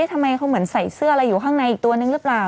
ทำไมเขาเหมือนใส่เสื้ออะไรอยู่ข้างในอีกตัวนึงหรือเปล่า